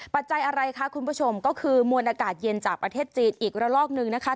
ปัจจัยอะไรคะคุณผู้ชมก็คือมวลอากาศเย็นจากประเทศจีนอีกระลอกหนึ่งนะคะ